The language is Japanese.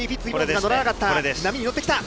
波に乗ってきた。